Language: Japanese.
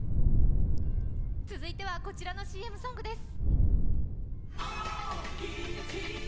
続いては、こちらのＣＭソングです。